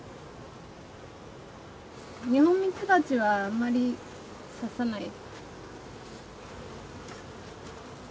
ニホンミツバチはあんまり刺さない。